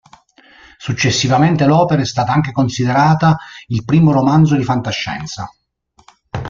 Successivamente l'opera è stata anche considerata il primo romanzo di fantascienza.